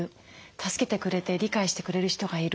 助けてくれて理解してくれる人がいる。